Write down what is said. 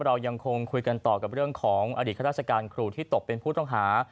เรายังคงคุยกันต่อกับเรื่องของอดีตข้าราชการครูที่ตกเป็นผู้ต้องหา